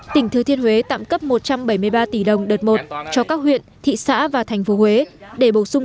tỉnh thừa thiên huế tạm cấp một trăm bảy mươi ba tỷ đồng đợt một cho các huyện thị xã và thành phố huế để bổ sung